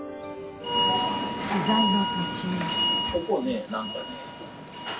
取材の途中。